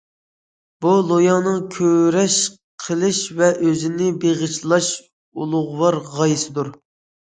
بۇ لوياڭنىڭ كۈرەش قىلىش ۋە ئۆزىنى بېغىشلاش ئۇلۇغۋار غايىسىدۇر.